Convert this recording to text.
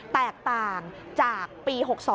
แตกต่างจากปี๖๒